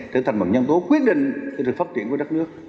trở thành một nhân tố quyết định về phát triển của đất nước